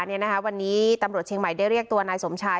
เนี่ยนะคะวันนี้ตำลวดเชียงใหม่ได้เรียกตัวนายสมชาย